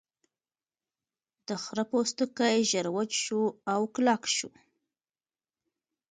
د خرۀ پوستکی ژر وچ شو او کلک شو.